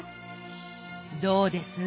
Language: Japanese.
どうです？